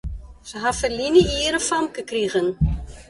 Sy ha ferline jier in famke krigen.